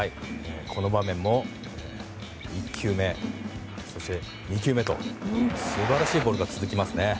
この場面も、１球目そして、２球目と素晴らしいボールが続きますね。